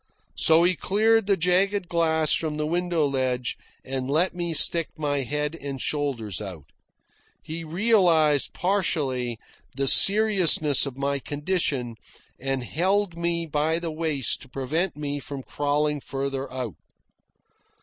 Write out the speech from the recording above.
So he cleared the jagged glass from the window ledge and let me stick my head and shoulders out. He realised, partially, the seriousness of my condition, and held me by the waist to prevent me from crawling farther out.